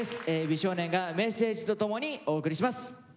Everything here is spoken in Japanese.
美少年がメッセージとともにお送りします。